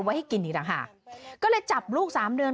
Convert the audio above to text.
ไว้กินอีกนะค่ะก็เลยจับลูกสามเดือน